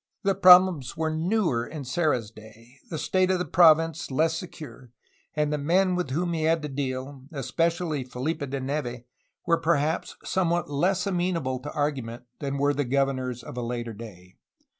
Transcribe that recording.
The prob blems were newer in Serra^s day, the state of the province less secure, and the men with whom he had to deal, especially Felipe de Neve, were perhaps somewhat less amenable to argument than were the governors of a later day.